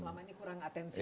selama ini kurang atensi